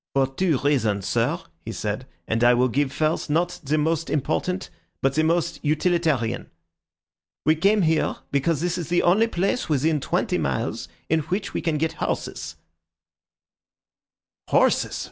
"For two reasons, sir," he said; "and I will give first, not the most important, but the most utilitarian. We came here because this is the only place within twenty miles in which we can get horses." "Horses!"